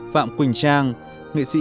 phạm quỳnh trang nghệ sĩ